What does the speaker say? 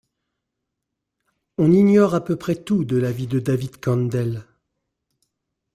On ignore à peu près tout de la vie de David Kandel.